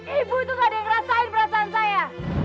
ibu itu tak ada yang ngerasain perasaan saya